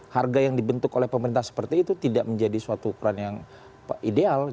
harga yang dibentuk oleh pemerintah seperti itu tidak menjadi suatu ukuran yang ideal